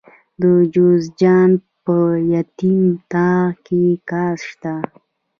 د جوزجان په یتیم تاغ کې ګاز شته.